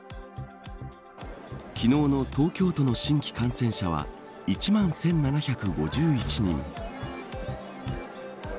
昨日の東京都の新規感染者は１万１７５１人。